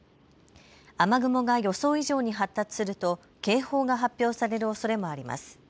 雨雲が予想以上に発達すると警報が発表されるおそれもあります。